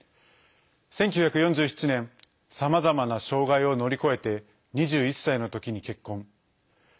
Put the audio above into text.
１９４７年さまざまな障害を乗り越えて２１歳の時に結婚。